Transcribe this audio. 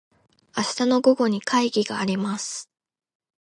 明日の午後に会議があります。